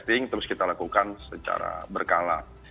testing terus kita lakukan secara berkala